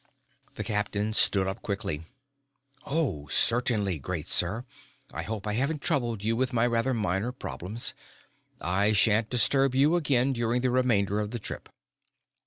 The captain stood up quickly. "Oh, certainly, great sir. I hope I haven't troubled you with my rather minor problems. I shan't disturb you again during the remainder of the trip."